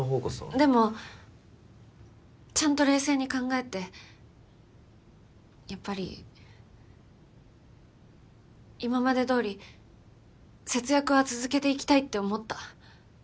でもちゃんと冷静に考えてやっぱり今までどおり節約は続けていきたいって思った。